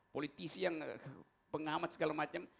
politisi yang pengamat segala macam